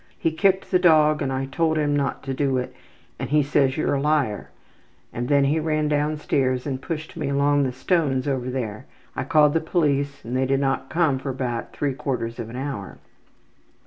He kicked the dog and I told him not to do it and he says, `You're a liar,' and then he ran down stairs and pushed me along the stones over there. I called the police and they did not come for about three quarters of an hour.